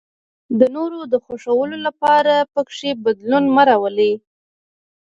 د نورو د خوښولو لپاره پکې بدلون مه راولئ.